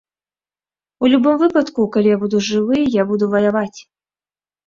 У любым выпадку, калі я буду жывы, я буду ваяваць.